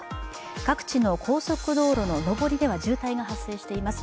各地の高速道路の上りでは渋滞が発生しています。